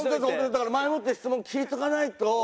だから前もって質問聞いとかないと。